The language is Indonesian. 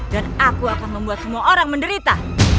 dan aku akan membuat semua orang menderita